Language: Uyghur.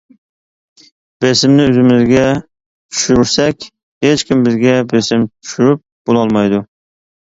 بىسىمنى ئۆزىمىزگە چۈشۈرسەك، ھېچكىم بىزگە بىسىم چۈشۈرۈپ بولالمايدۇ.